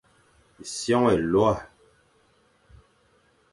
Sioñ élôa,